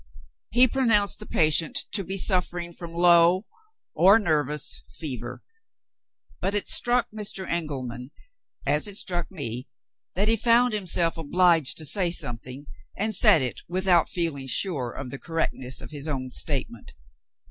He pronounced the patient to be suffering from low (or nervous) fever but it struck Mr. Engelman, as it struck me, that he found himself obliged to say something, and said it without feeling sure of the correctness of his own statement.